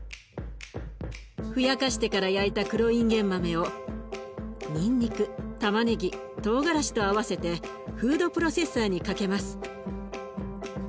ふやかしてから焼いた黒いんげん豆をにんにくたまねぎトウガラシと合わせてフードプロセッサーにかけます。